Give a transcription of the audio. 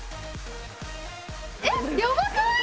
えっやばくない？